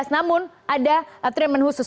namun ada atremen khusus